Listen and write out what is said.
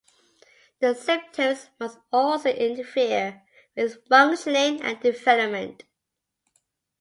The symptoms must also interfere with functioning and development.